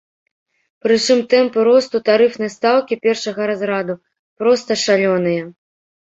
Прычым тэмпы росту тарыфнай стаўкі першага разраду проста шалёныя.